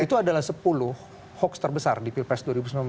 itu adalah sepuluh hoax terbesar di pilpres dua ribu sembilan belas